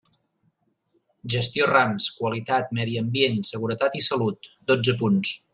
Gestió Rams, qualitat, medi ambiente, seguretat i salut: dotze punts.